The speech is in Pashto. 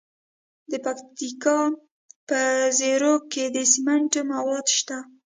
د پکتیکا په زیروک کې د سمنټو مواد شته.